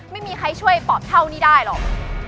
ไม่มีใครช่วยปอบเท่านี้ได้หรอก